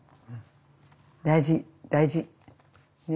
大事大事。ね。